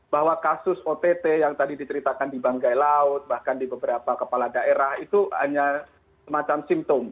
bahwa kasus ott yang tadi diceritakan di banggai laut bahkan di beberapa kepala daerah itu hanya semacam simptom